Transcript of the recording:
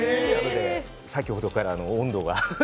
先ほどから温度が。